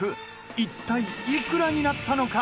一体、いくらになったのか？